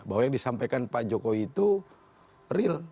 bahwa yang disampaikan pak jokowi itu real